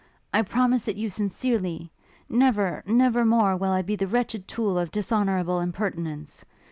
I promise it you sincerely! Never, never more will I be the wretched tool of dishonourable impertinence!